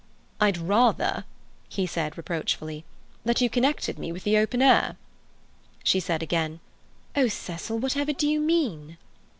"I'd rather," he said reproachfully, "that you connected me with the open air." She said again, "Oh, Cecil, whatever do you mean?"